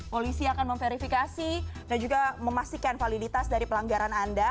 polisi akan memverifikasi dan juga memastikan validitas dari pelanggaran anda